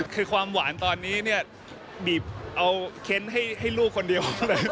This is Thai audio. คือความหวานตอนนี้เนี่ยบีบเอาเค้นให้ลูกคนเดียว